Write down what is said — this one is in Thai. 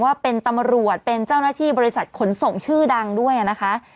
ว่าเป็นตำรวจเป็นเจ้าหน้าที่บริษัทขนส่งชื่อดังด้วยนะคะ